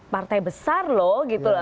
partai besar loh gitu